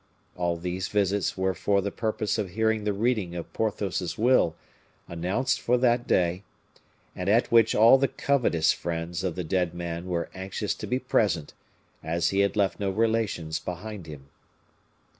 All these visits were for the purpose of hearing the reading of Porthos's will, announced for that day, and at which all the covetous friends of the dead man were anxious to be present, as he had left no relations behind him.